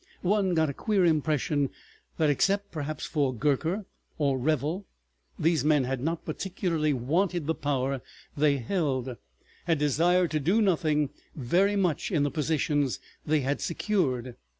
... One got a queer impression that except perhaps for Gurker or Revel these men had not particularly wanted the power they held; had desired to do nothing very much in the positions they had secured.